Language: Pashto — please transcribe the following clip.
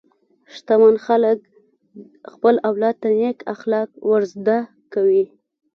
شتمن خلک خپل اولاد ته نېک اخلاق ورزده کوي.